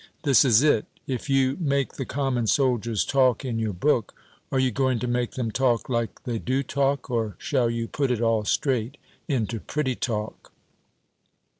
This is it; if you make the common soldiers talk in your book, are you going to make them talk like they do talk, or shall you put it all straight into pretty talk?